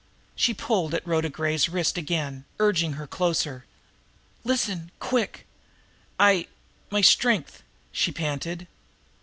She pulled at Rhoda Gray's wrist again, urging her closer. "Listen quick! I my strength!" she panted.